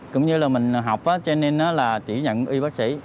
cũng như lần mình học cho nên là chỉ nhận y bác sĩ